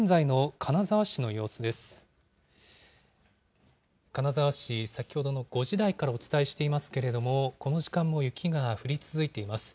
金沢市、先ほどの５時台からお伝えしていますけれども、この時間も雪が降り続いています。